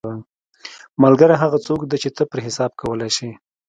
ملګری هغه څوک دی چې ته پرې حساب کولی شې.